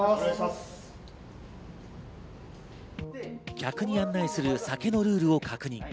客に案内する酒のルールを確認。